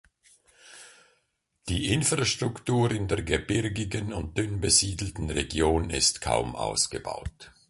Die Infrastruktur in der gebirgigen und dünn besiedelten Region ist kaum ausgebaut.